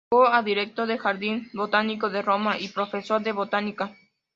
Llegó a director del Jardín Botánico de Roma, y profesor de Botánica.